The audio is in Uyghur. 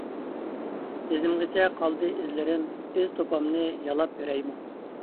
تىزىمغىچە قالدى ئىزلىرىم، ئىز توپامنى يالاپ بېرەيمۇ؟ !